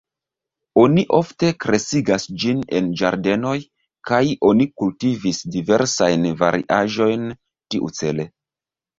Oni ofte kreskigas ĝin en ĝardenoj kaj oni kultivis diversajn variaĵojn tiucele.